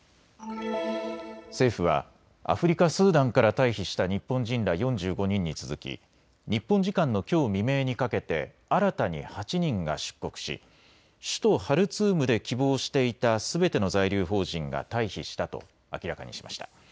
政府はアフリカ・スーダンから退避した日本人ら４５人に続き日本時間のきょう未明にかけて新たに８人が出国し首都ハルツームで希望していたすべての在留邦人が退避したと明らかにしました。